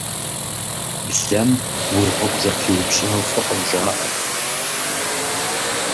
Блэм уи гъуэгу зэпиупщӀыну фӀыкъым, жаӀэрт.